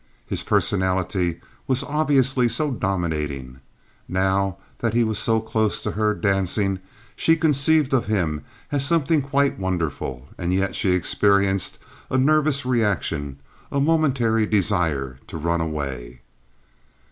His personality was obviously so dominating. Now that he was so close to her, dancing, she conceived of him as something quite wonderful, and yet she experienced a nervous reaction—a momentary desire to run away.